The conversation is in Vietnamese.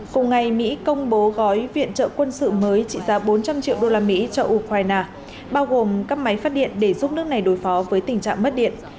cùng ngày mỹ công bố gói viện trợ quân sự mới trị giá bốn trăm linh triệu đô la mỹ cho ukraine bao gồm các máy phát điện để giúp nước này đối phó với tình trạng mất điện